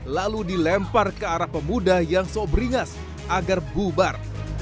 lalu dilempar ke arah pemuda yang sob beringas agar bubar